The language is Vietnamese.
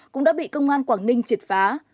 cũng đã bị công an quảng ninh triệt phá